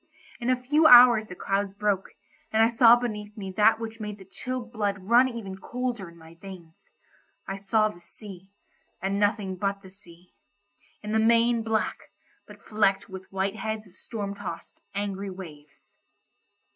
In a few hours the clouds broke, and I saw beneath me that which made the chilled blood run colder in my veins. I saw the sea, and nothing but the sea; in the main black, but flecked with white heads of storm tossed, angry waves.